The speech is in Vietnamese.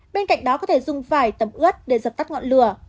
bên cạnh đó có thể dùng vài tầm ướt để giật tắt ngọn lửa